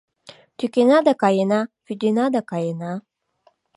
Тӱкена да каена, вӱдена да каена